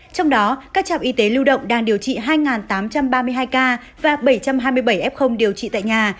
trong đó các trạm y tế lưu động đang điều trị hai tám trăm ba mươi hai ca và bảy trăm hai mươi bảy f điều trị tại nhà